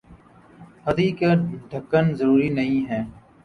حتٰیکہ ڈھکن ضروری نہیں ہیں